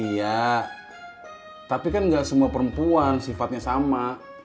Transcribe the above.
ya tapi kan gak semua perempuan sifatnya sama